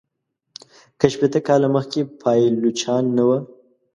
که شپیته کاله مخکي پایلوچان نه وه.